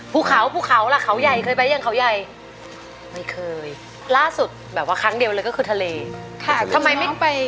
ผู้เขาละเขาใหญ่เคยไปกันอย่างเดิม